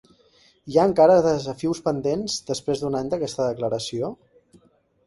Hi ha encara desafius pendents després d'un any d'aquesta declaració?